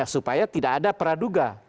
supaya tidak ada praduga